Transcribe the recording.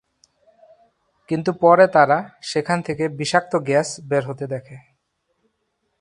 কিন্তু পরে তারা সেখান থেকে বিষাক্ত গ্যাস বের হতে দেখে।